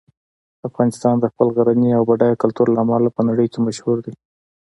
افغانستان د خپل لرغوني او بډایه کلتور له امله په نړۍ کې مشهور دی.